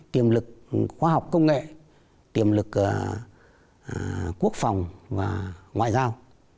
tiềm lực khoa học công nghệ tiềm lực quốc phòng và ngoại giao